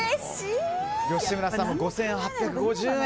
吉村さんも５８５０円。